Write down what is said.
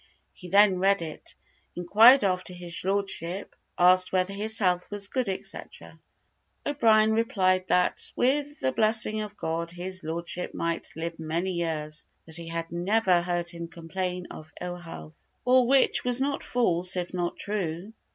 He then read it, inquired after his lordship, asked whether his health was good, etc. O'Brien replied that, "with the blessing of God, his lordship might live many years: that he had never heard him complain of ill health." All which was not false, if not true.